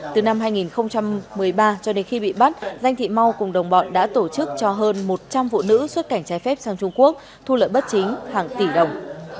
từ năm hai nghìn một mươi ba cho đến khi bị bắt danh thị mau cùng đồng bọn đã tổ chức cho hơn một trăm linh phụ nữ xuất cảnh trái phép sang trung quốc thu lợi bất chính hàng tỷ đồng